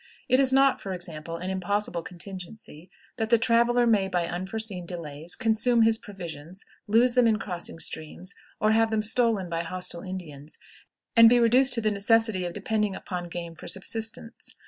It is not, for example, an impossible contingency that the traveler may, by unforeseen delays, consume his provisions, lose them in crossing streams, or have them stolen by hostile Indians, and be reduced to the necessity of depending upon game for subsistence.